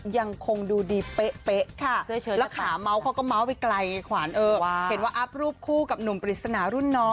ยังคงดูดีเป๊ะค่ะแล้วขาเมาส์เขาก็เมาส์ไปไกลขวานเออเห็นว่าอัพรูปคู่กับหนุ่มปริศนารุ่นน้อง